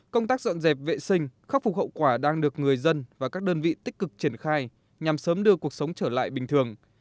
công tác dọn dẹp vệ sinh khắc phục hậu quả đang được người dân và các đơn vị tích cực triển khai nhằm sớm đưa cuộc sống trở lại bình thường